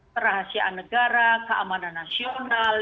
perahasiaan negara keamanan nasional